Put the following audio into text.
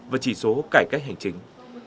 và chỉ số cải cách hành chính